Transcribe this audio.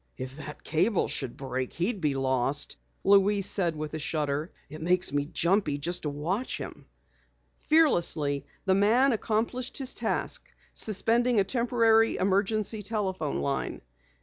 "If that cable should break, he'd be lost!" Louise said with a shudder. "It makes me jumpy to watch him." Fearlessly the man accomplished his task, suspending a temporary emergency telephone line.